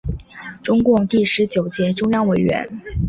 中共第十九届中央委员。